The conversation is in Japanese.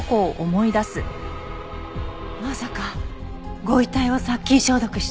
まさかご遺体を殺菌消毒した。